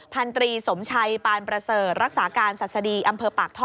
พันตรีสมชัยปานประเสริฐรักษาการศัษฎีอำเภอปากท่อ